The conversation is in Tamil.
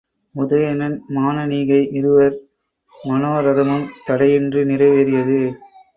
உதயணன், மானனீகை இருவர் மனோரதமும் தடையின்றி நிறைவேறியது.